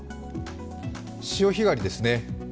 潮干狩りですね。